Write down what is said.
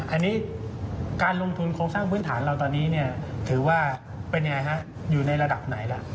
อันนี้การลงทุนโครงสร้างพื้นฐานเราตอนนี้ถือว่าเป็นยังไงฮะอยู่ในระดับไหนล่ะ